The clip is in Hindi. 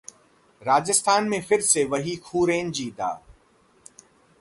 राजस्थान में फिर से वही खूंरेजी दांव